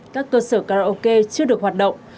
các cơ sở karaoke chưa được hoạt động